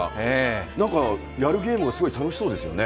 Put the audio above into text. やるゲームがすごい楽しそうですよね。